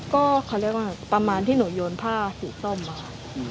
ก็เขาเรียกว่าประมาณที่หนูโยนผ้าสีส้มมา